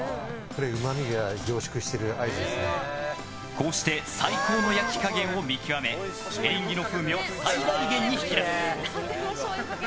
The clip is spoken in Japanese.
こうして最高の焼き加減を見極めエリンギの風味を最大限に引き出す！